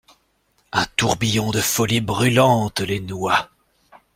Un tourbillon de folie brûlante les noua.